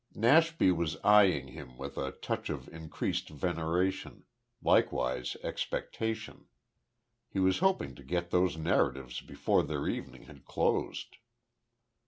Nashby was eyeing him with a touch of increased veneration likewise expectation. He was hoping to get those narratives before their evening had closed.